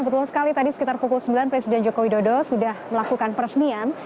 betul sekali tadi sekitar pukul sembilan presiden joko widodo sudah melakukan peresmian